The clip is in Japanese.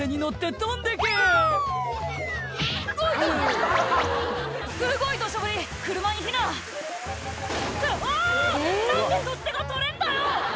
何で取っ手が取れんだよ⁉」